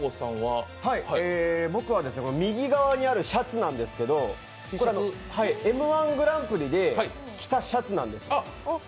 右側にあるシャツなんですけど、「Ｍ−１」グランプリで着たシャツなんです。